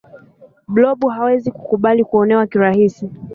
blob hawezi kukubali kuonewa kirahisi